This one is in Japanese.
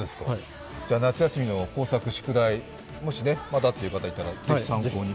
じゃあ夏休みの工作、宿題、もしまだっていう方いたらぜひ参考に。